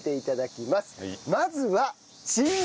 まずは。